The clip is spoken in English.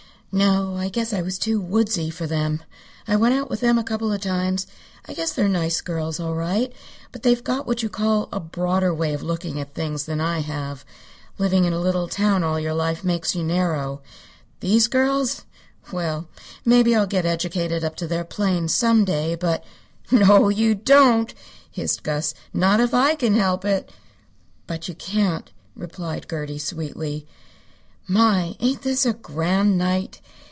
No. I guess I was too woodsy for them. I went out with them a couple of times. I guess they're nice girls all right; but they've got what you call a broader way of looking at things than I have. Living in a little town all your life makes you narrow. These girls! Well, maybe I'll get educated up to their plane some day, but " "No, you don't!" hissed Gus. "Not if I can help it." "But you can't," replied Gertie, sweetly. "My, ain't this a grand night!